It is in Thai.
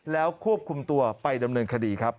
แล้วควบคุมตัวไปดำเนินคดีครับ